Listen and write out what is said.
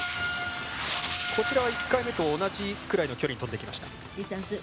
こちらは１回目と同じくらいの距離に飛んできました。